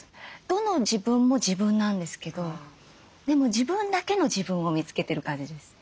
どの自分も自分なんですけどでも自分だけの自分を見つけてる感じです。